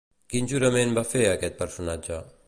Quin jurament va fer aquest personatge?